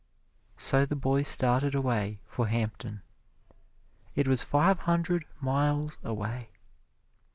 So the boy started away for Hampton. It was five hundred miles away.